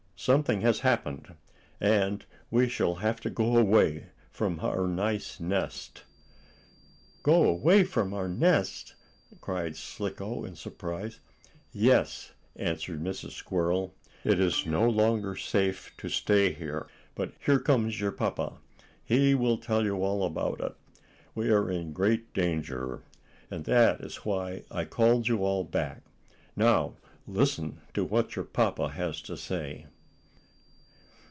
Something has happened, and we shall have to go away from our nice nest." "Go away from our nest!" cried Slicko, in surprise. "Yes," answered Mrs. Squirrel. "It is no longer safe to stay here. But here comes your papa. He will tell you all about it. We are in great danger, and that is why I called you all back. Now listen to what your papa has to say."